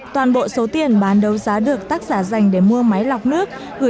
toàn bộ số tiền bán đấu giá được tác giả dành để mua máy lọc nước gửi